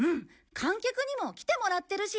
観客にも来てもらってるし。